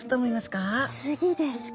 次ですか。